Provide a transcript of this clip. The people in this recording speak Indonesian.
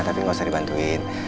tapi enggak usah dibantuin